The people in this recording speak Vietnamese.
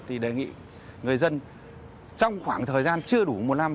thì đề nghị người dân trong khoảng thời gian chưa đủ một năm